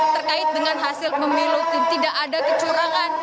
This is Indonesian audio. terkait dengan hasil pemilu tidak ada kecurangan